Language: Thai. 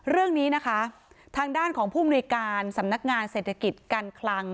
เรื่องนี้นะคะทางด้านของผู้มนุยการสำนักงานเศรษฐกิจการคลัง